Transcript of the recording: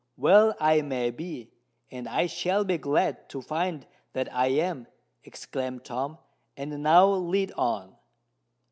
"Well—I may be; and I shall be glad to find that I am," exclaimed Tom: "and now lead on."